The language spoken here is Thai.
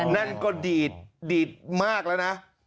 นั่นก็ดีดดีดมากแล้วนะ